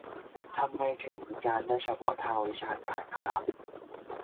ทำไมถึงวิจารณ์ได้เฉพาะทางวิชาการครับ